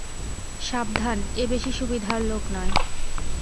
সাবধান এ বেশি সুবিধার লোক নয়।